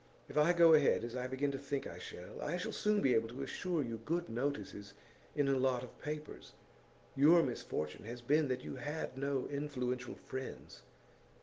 If I go ahead as I begin to think I shall, I shall soon be able to assure you good notices in a lot of papers. Your misfortune has been that you had no influential friends.